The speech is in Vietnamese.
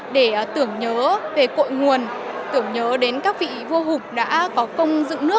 để tưởng nhớ về cội nguồn tưởng nhớ đến các vị vua hùng đã có công dựng nước